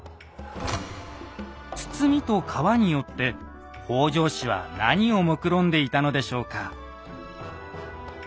堤と川によって北条氏は何をもくろんでいたのでしょうか？